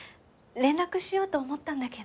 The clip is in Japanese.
連絡しようと思ったんだけど。